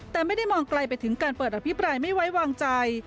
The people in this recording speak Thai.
แต่ไม่ได้มองไกลไปถึงการเปิดอภิปรายไม่ไว้วางใจ